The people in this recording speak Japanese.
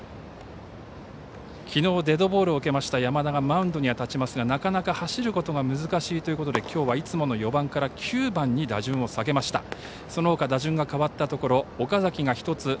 きのうデッドボールを受けました山田がマウンドには立ちますがなかなか走ることが難しいということできょうはいつもの４番から９番に打順を下げました。